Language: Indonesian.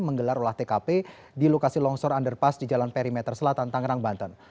menggelar olah tkp di lokasi longsor underpass di jalan perimeter selatan tangerang banten